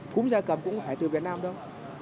cũng gia cầm cũng không phải từ việt nam đâu